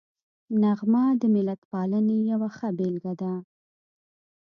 نغمه د ملتپالنې یوه ښه بېلګه ده